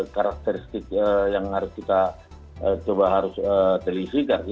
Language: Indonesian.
karakteristik yang harus kita coba harus telitikan